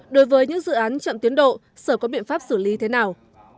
đối với những dự án chậm tiến độ sở có biện pháp xử lý thế nào